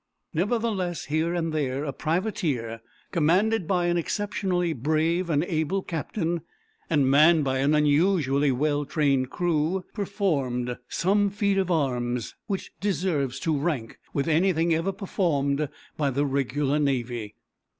Nevertheless, here and there a privateer commanded by an exceptionally brave and able captain, and manned by an unusually well trained crew, performed some feat of arms which deserves to rank with anything ever performed by the regular navy.